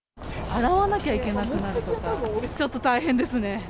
洗わなきゃいけなくなるとか、ちょっと大変ですね。